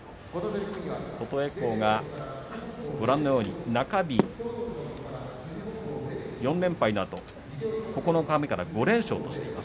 琴恵光が中日４連敗のあと九日目から５連勝としています。